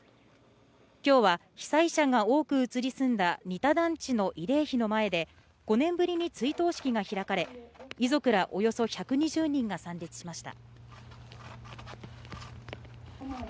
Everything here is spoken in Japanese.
今日は被災者が多く移り住んだ仁田団地の慰霊碑の前で５年ぶりに追悼式が開かれ遺族らおよそ１２０人が参列しました。